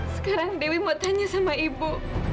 sekarang dewi mau tanya sama ibu